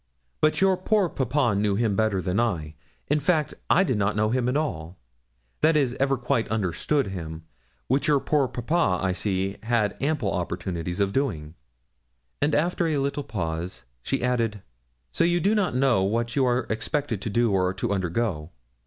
But your poor papa knew him better than I in fact, I did not know him at all that is, ever quite understood him which your poor papa, I see, had ample opportunities of doing.' And after a little pause, she added 'So you do not know what you are expected to do or to undergo.'